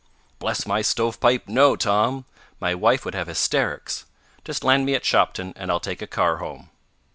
"Bless my stovepipe, no, Tom! My wife would have hysterics. Just land me at Shopton and I'll take a car home."